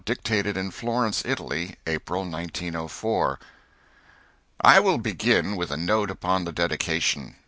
Dictated in Florence, Italy, April, 1904._] I will begin with a note upon the dedication.